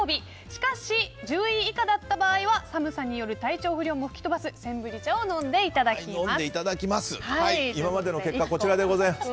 しかし１０位以下だった場合は寒さによる体調不良も吹き飛ばすセンブリ茶を飲んでいただきます。